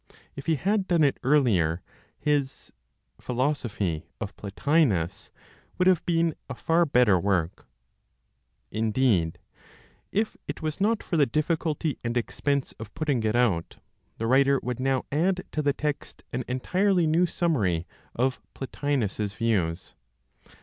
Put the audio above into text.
If he had done it earlier, his "Philosophy of Plotinos" would have been a far better work. Indeed, if it was not for the difficulty and expense of putting it out, the writer would now add to the text an entirely new summary of Plotinos's views.